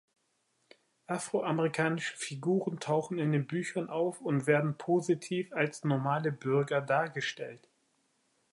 Afroamerikanische Figuren tauchen in den Büchern auf und werden positiv als normale Bürger dargestellt.